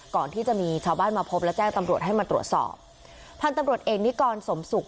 ก่อนที่จะมีชาวบ้านมาพบและแจ้งตำรวจให้มาตรวจสอบพันธุ์ตำรวจเอกนิกรสมศุกร์